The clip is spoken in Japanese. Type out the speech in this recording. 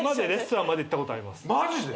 マジで！？